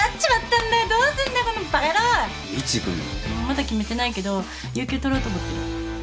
まだ決めてないけど有給取ろうと思ってる。